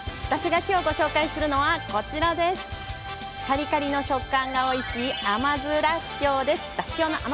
今日紹介するのはカリカリの食感がおいしい甘酢らっきょうです。